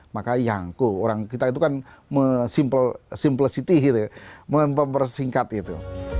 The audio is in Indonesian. maka yangko orang kita itu kan simplicity gitu mempersingkat gitu